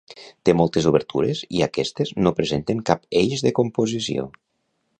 Té moltes obertures i aquestes no presenten cap eix de composició.